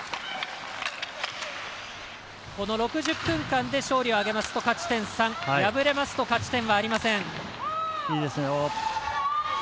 ６０分間で勝利を挙げますと勝ち点３敗れますと勝ち点はありません。